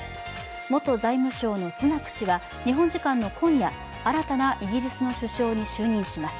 元財務相のスナク氏は日本時間今夜、新たなイギリスの首相に就任します。